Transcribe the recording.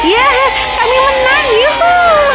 yee kami menang yuhuuu